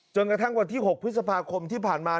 กระทั่งวันที่๖พฤษภาคมที่ผ่านมา